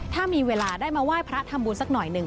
ถ้ามีเวลาได้มาไหว้พระทำบุญสักหน่อยหนึ่ง